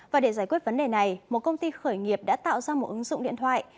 và để giải quyết vấn đề này một công ty khởi nghiệp đã tạo ra một ứng dụng điện thoại